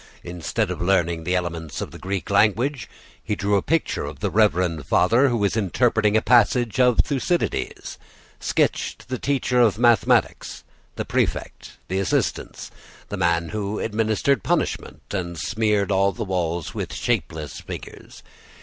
Instead of learning the elements of the Greek language, he drew a picture of the reverend father who was interpreting a passage of Thucydides, sketched the teacher of mathematics, the prefect, the assistants, the man who administered punishment, and smeared all the walls with shapeless figures.